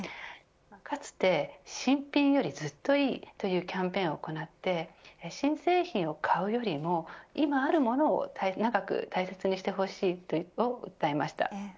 かつて、新品よりずっといいというキャンペーンを行って新製品を買うよりも今あるものを長く大切にしてほしいと訴えました。